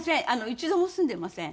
一度も住んでません。